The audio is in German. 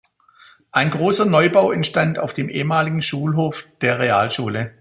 Ein großer Neubau entstand auf dem ehemaligen Schulhof der Realschule.